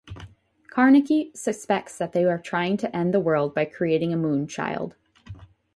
Carnacki suspects that they are trying to end the world by creating a Moonchild.